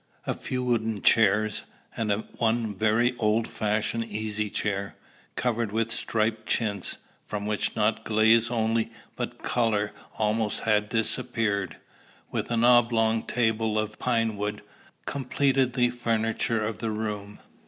A few wooden chairs, and one very old fashioned easy chair, covered with striped chintz, from which not glaze only but color almost had disappeared, with an oblong table of deal, completed the furniture of the room.